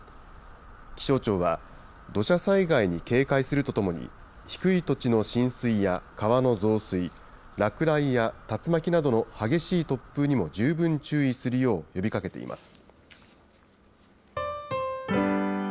気象庁は、土砂災害に警戒するとともに、低い土地の浸水や川の増水、落雷や竜巻などの激しい突風にも十分注意するよう呼びかけています。